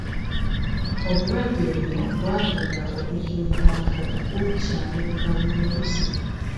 Obulwadde buno bwagenda okuzuulibwa nga bukyameruka bumerusi.